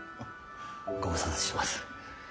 ご無沙汰してます。